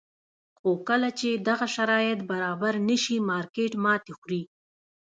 خو کله چې دغه شرایط برابر نه شي مارکېټ ماتې خوري.